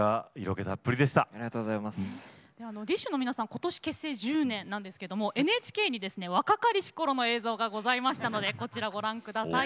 今年結成１０年なんですけどもＮＨＫにですね若かりし頃の映像がございましたのでこちらご覧ください。